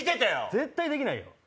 絶対できないよ。